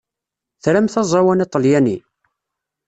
Tramt aẓawan aṭalyani?